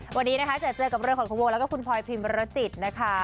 วันนี้นะคะจะเจอกับเรือของคุณวงแล้วก็คุณพลอยพิมรจิตนะคะ